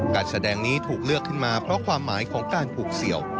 การแสดงนี้ถูกเลือกขึ้นมาเพราะความหมายของการผูกเสี่ยว